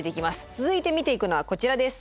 続いて見ていくのはこちらです。